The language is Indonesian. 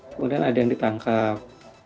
kemudian ada yang ditangkap